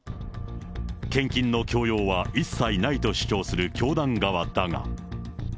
献金の強要は一切ないと主張する教団側だが。